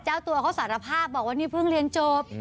เจ้าตัวเขาสารภาพบอกว่านี่เพิ่งเรียนจบ